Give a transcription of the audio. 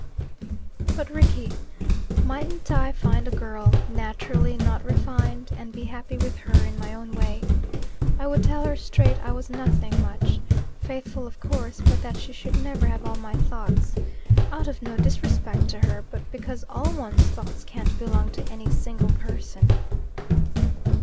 "But, Rickie, mightn't I find a girl naturally not refined and be happy with her in my own way? I would tell her straight I was nothing much faithful, of course, but that she should never have all my thoughts. Out of no disrespect to her, but because all one's thoughts can't belong to any single person."